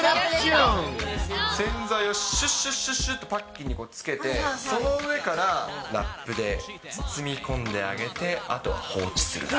洗剤をしゅっしゅっしゅっとパッキンにつけて、その上からラップで包み込んであげて、あとは放置するだけ。